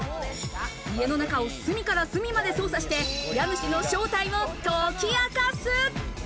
家の中を隅から隅まで捜査して、家主の正体を解き明かす。